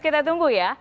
kita tunggu ya